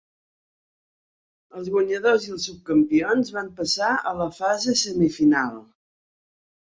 Els guanyadors i els subcampions van passar a la fase semifinal.